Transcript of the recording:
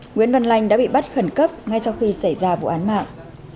nguyễn văn lanh đã bị bắt khẩn cấp ngay sau khi xảy ra vụ án mạng